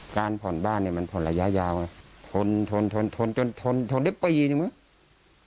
การผ่อนบ้านเนี่ยมันผ่อนระยะยาวไงทนทนทนทนจนทนทนได้ปีนึงมั้ง